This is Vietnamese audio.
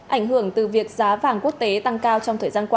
ảnh hưởng từ việc giá vàng quốc tế tăng cao trong thời gian qua